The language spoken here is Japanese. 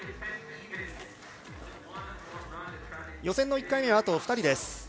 予選の１回目はあと２人です。